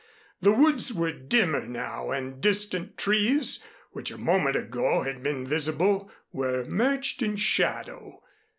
The woods were dimmer now and distant trees which a moment ago had been visible were merged in shadow.